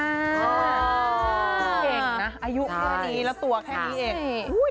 เก่งนะอายุแค่นี้แล้วตัวแค่นี้เอง